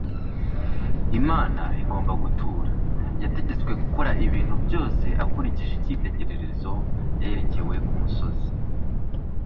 Imana igomba gutura, yategetswe gukora ibintu byose akurikije icyitegererezo yerekewe ku musozi.